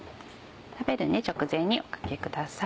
食べる直前におかけください。